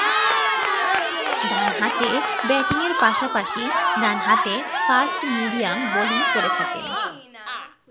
ডানহাতে ব্যাটিংয়ের পাশাপাশি ডানহাতে ফাস্ট-মিডিয়াম বোলিং করে থাকেন।